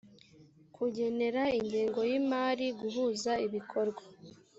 kugenera ingengo y imari guhuza ibikorwa